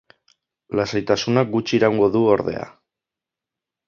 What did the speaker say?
Lasaitasunak gutxi iraungo du ordea.